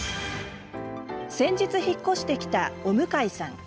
先日、引っ越してきたお向かいさん。